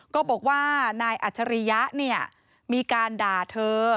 ก็บอกว่านายอัธริยะมีการด่าเธอ